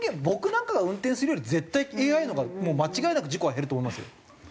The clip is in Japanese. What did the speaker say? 僕なんかが運転するより絶対ＡＩのほうがもう間違いなく事故は減ると思いますよ。